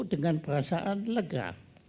dengan perasaan lega